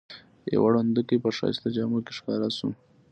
یوه ړندوکۍ په ښایسته جامو کې ښکاره شوه.